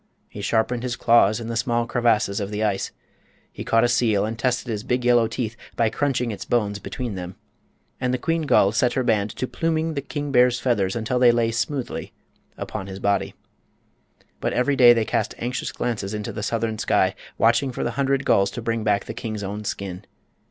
He sharpened his claws in the small crevasses of the ice. He caught a seal and tested his big yellow teeth by crunching its bones between them. And the queen gull set her band to pluming the king bear's feathers until they lay smoothly upon his body. But every day they cast anxious glances into the southern sky, watching for the hundred gulls to bring back the king's own skin.